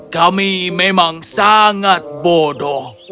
kami memang sangat bodoh